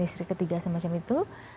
istri ketiga semacam itu